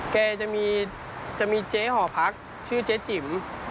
แกจะมีเจ๊หอพักชื่อเจ๊จิ๋ม